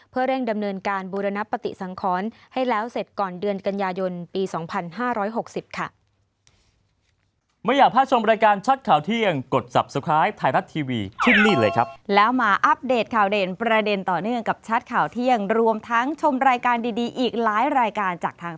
เพื่อเร่งดำเนินการบูรณปฏิสังขรให้แล้วเสร็จก่อนเดือนกันยายนปี๒๕๖๐ค่ะ